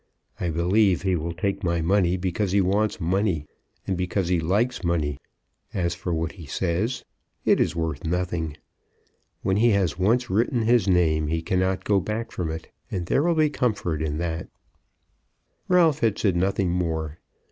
I believe he will take my money because he wants money, and because he likes money. As for what he says, it is worth nothing. When he has once written his name, he cannot go back from it, and there will be comfort in that." Ralph said nothing more.